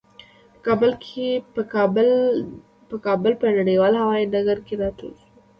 په کابل په نړیوال هوايي ډګر کې راټول شوو.